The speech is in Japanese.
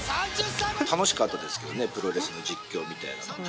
いや、楽しかったですけどね、プロレスの実況みたいなのは。